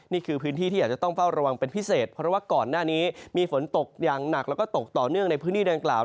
นี่คือพื้นที่ที่อาจจะต้องเฝ้าระวังเป็นพิเศษเพราะว่าก่อนหน้านี้มีฝนตกอย่างหนักแล้วก็ตกต่อเนื่องในพื้นที่ดังกล่าว